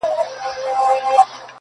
مسته وږمه شوم د سپرلي په بڼ کښې ګډه شومه